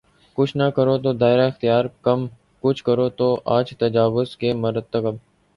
کچھ نہ کرو تو دائرہ اختیار قائم‘ کچھ کرو تو آپ تجاوز کے مرتکب۔